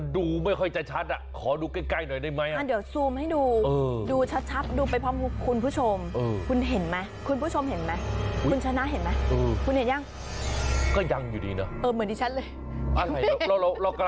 ถือใจเหรอนั้นก็ได้ค่ะ